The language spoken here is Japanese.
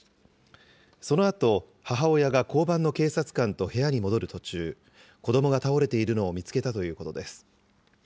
そのあと、母親が交番の警察官と部屋に戻る途中、子どもが倒れているのを見つけたということです。